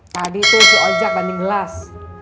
tadi tuh si ojak banding gelas